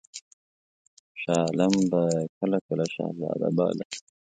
شاه عالم به یې کله کله شهزاده باله.